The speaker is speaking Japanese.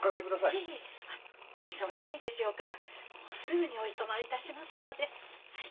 いえいえお忙しいでしょうからもうすぐにおいとまいたしますので。